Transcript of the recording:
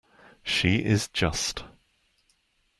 She is just.